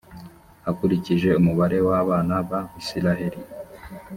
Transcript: akurikije umubare w’abana ba israheli.